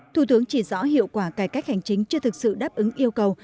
thủ tướng chỉ rõ hiệu quả cải cách hành chính chưa thực sự đáp ứng yêu cầu